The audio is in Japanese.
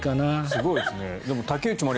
すごいですね。